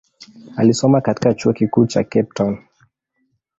Alisoma katika chuo kikuu cha Cape Town.